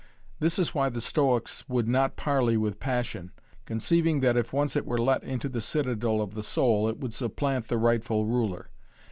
This is why the Stoics would not parley with passion, conceiving that if once it were let into the citadel of the soul it would supplant the rightful ruler.